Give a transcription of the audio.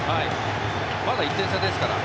まだ１点差ですから。